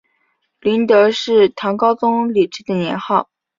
麟德是唐高宗李治的年号。